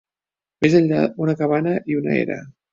Més enllà una cabana i una era.